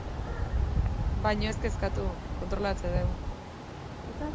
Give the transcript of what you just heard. Baina ez kezkatu, kontrolatzen dugu.